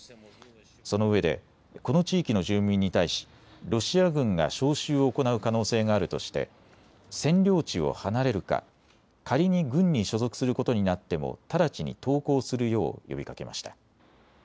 そのうえでこの地域の住民に対しロシア軍が招集を行う可能性があるとして占領地を離れるか、仮に軍に所属することになっても直ちに投降するよう呼びかけました。